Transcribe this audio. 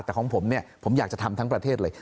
แต่ของผมเนี่ยผมอยากจะทำทั้งประเทศเลย